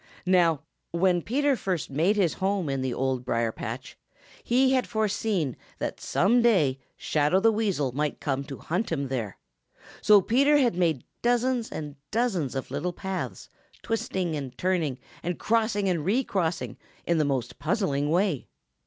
Now, when Peter first made his home in the Old Briar patch, he had foreseen that some day Shadow the Weasel might come to hunt him there, so Peter had made dozens and dozens of little paths, twisting and turning and crossing and recrossing in the most puzzling way.